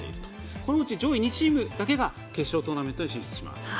このうち上位２チームだけが決勝トーナメントに進出します。